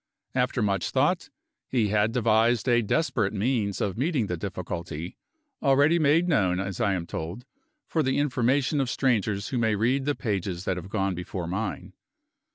After much thought, he had devised a desperate means of meeting the difficulty already made known, as I am told, for the information of strangers who may read the pages that have gone before mine.